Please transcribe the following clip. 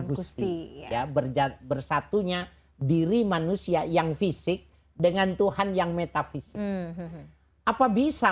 gusti bersatunya diri manusia yang fisik dengan tuhan yang metafisik apa bisa